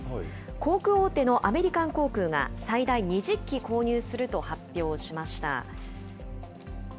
航空大手のアメリカン航空が、最大２０機購入すると発表しました。